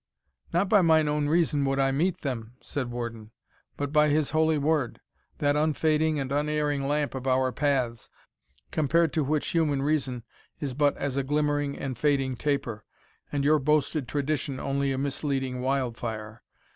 "Not by mine own reason would I mete them," said Warden; "but by His holy Word, that unfading and unerring lamp of our paths, compared to which human reason is but as a glimmering and fading taper, and your boasted tradition only a misleading wildfire.